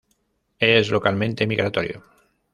Es localmente migratorio.